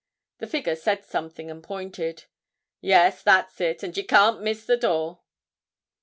The figure said something and pointed. 'Yes, that's it, and ye can't miss the door.'